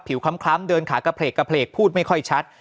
ผิวคล้ำเดินขากระเพลกพูดไม่ค่อยชัด